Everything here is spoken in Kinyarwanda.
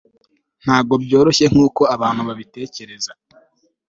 ntabwo byoroshye nkuko abantu babitekereza